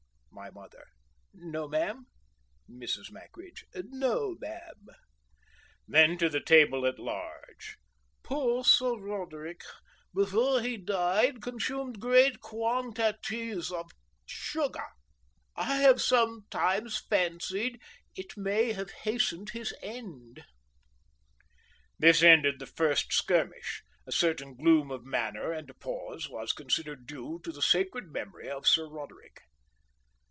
My Mother: "No, ma'am?" Mrs. Mackridge: "No, ma'am." Then, to the table at large: "Poor Sir Roderick, before he died, consumed great quan ta ties of sugar. I have sometimes fancied it may have hastened his end." This ended the first skirmish. A certain gloom of manner and a pause was considered due to the sacred memory of Sir Roderick.